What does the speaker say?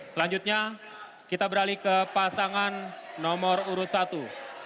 selanjutnya kita beralih ke pasangan nomor urut satu